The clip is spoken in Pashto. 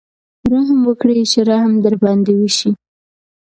رحم وکړئ چې رحم در باندې وشي.